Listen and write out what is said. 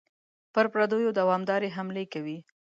پر پردیو دوامدارې حملې کوي.